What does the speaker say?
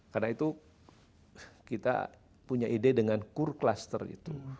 karena itu kita punya ide dengan core cluster itu